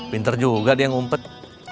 pinter juga dia ngumpet